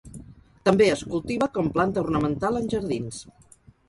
També es cultiva com planta ornamental en jardins.